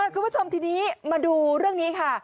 คุณผู้ชมทีนี้มาดูเรื่องนี้ค่ะ